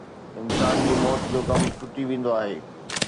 انسان جي موت جو غم ٽٽي ويندو آهي